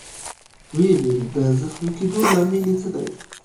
ويې ویل: د زخمي کېدو لامل يې څه دی؟